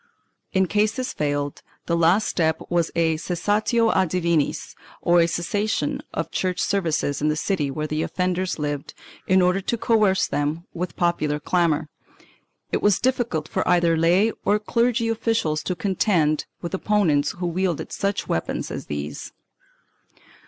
In case this failed, the last step was a cessatio a dimniSj or cessation of church services in the city where the offenders lived, in order to coerce them with popular clamor.1 It was difficult for either lay or clerical officials to contend with opponents who wielded such weapons as these.